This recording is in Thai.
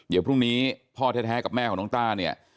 เดี๋ยวพรุ่งนี้พ่อแท้กับแม่ของน้องต้าเนี่ย